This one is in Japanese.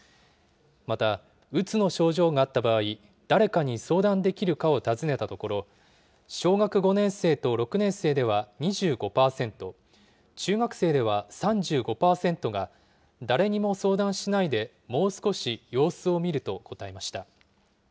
また、うつの症状があった場合、誰かに相談できるかを尋ねたところ、小学５年生と６年生では２５％、中学生では３５％が、誰にも相談しないでもう少し様子を見ると答えました。